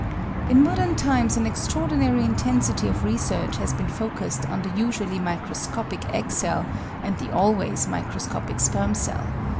In modern times an extraordinary intensity of research has been focused on the usually microscopic egg cell and the always microscopic sperm cell.